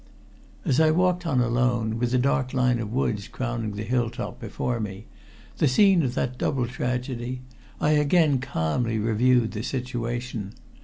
As I walked on alone, with the dark line of woods crowning the hill top before me, the scene of that double tragedy, I again calmly reviewed the situation.